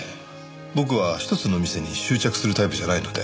僕は一つの店に執着するタイプじゃないので。